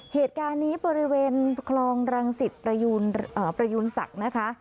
เหตุการณ์นี้บริเวณคลองรังสิตประยูนศักดิ์นะคะ